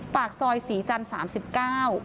ปากซอยสีจันทร์๓๙